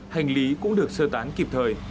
hành lý cũng được sơ tán kịp thời